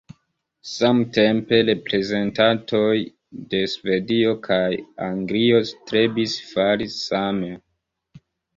Samtempe, reprezentantoj de Svedio kaj Anglio strebis fari same.